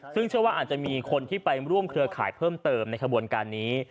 ซึ่งเชื่อว่าอาจจะมีคนที่ไปร่วมเครือข่ายเพิ่มเติมในขบวนการนี้